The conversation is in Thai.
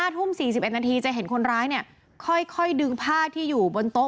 ทุ่ม๔๑นาทีจะเห็นคนร้ายเนี่ยค่อยดึงผ้าที่อยู่บนโต๊ะ